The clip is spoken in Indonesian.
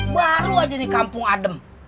baru aja di kampung adem